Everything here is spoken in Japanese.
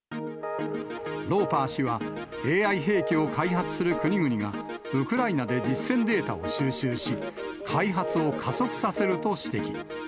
ローパー氏は、ＡＩ兵器を開発する国々が、ウクライナで実戦データを収集し、開発を加速させると指摘。